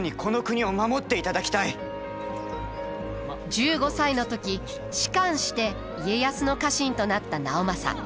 １５歳の時仕官して家康の家臣となった直政。